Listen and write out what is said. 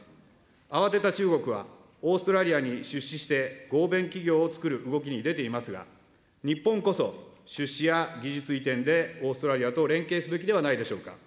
慌てた中国は、オーストラリアに出資して合弁企業を作る動きに出ていますが、日本こそ、出資や技術移転でオーストラリアと連携すべきではないでしょうか。